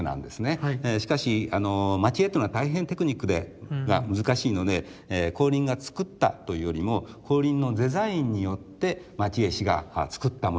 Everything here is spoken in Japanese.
しかし蒔絵というのは大変テクニックが難しいので光琳が作ったというよりも光琳のデザインによって蒔絵師が作ったものなんです。